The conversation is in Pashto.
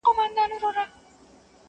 دلته جنګونه کیږي.!